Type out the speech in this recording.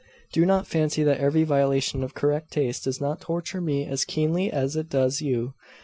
Do not fancy that every violation of correct taste does not torture me as keenly as it does you.